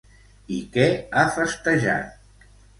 I què ha festejat?